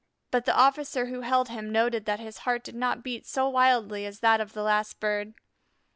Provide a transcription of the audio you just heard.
But the officer who held him noted that his heart did not beat so wildly as that of the last bird.